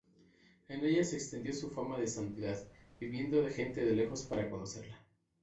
En ella se extendió su fama de santidad, viniendo gente de lejos para conocerla.